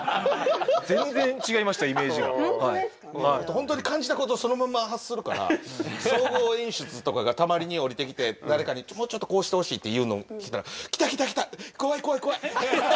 本当に感じたことをそのまんま発するから総合演出とかがたまりに下りてきて誰かに「もうちょっとこうしてほしい」っていうのを来たら「来た来た来た！怖い怖い怖い！」。